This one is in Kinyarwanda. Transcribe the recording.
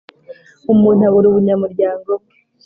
Umuntu abura ubunyamuryango bwe